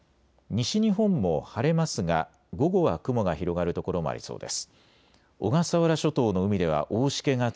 西日本も晴れますが午後は雲が広がる所もありそうです。